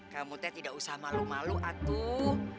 kamu teh tidak usah malu malu aduh